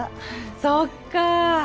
そっか。